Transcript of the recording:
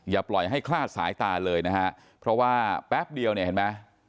อย่าปล่อยให้คลาดสายตาเลยนะฮะเพราะว่าแป๊บเดียวเนี่ยเห็นไหม